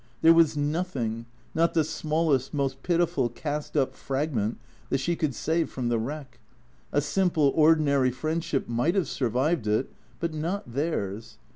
There was nothing, not the smallest, most pitiful, cast up fragment that she could save from the wreck. A simple, ordinary friend ship might have survived it, but not theirs.